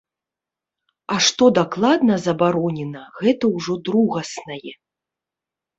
А што дакладна забаронена, гэта ўжо другаснае.